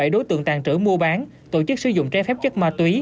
một trăm bốn mươi bảy đối tượng tàn trữ mua bán tổ chức sử dụng trái phép chất ma túy